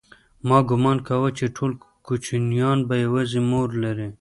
ما گومان کاوه چې ټول کوچنيان به يوازې مور لري.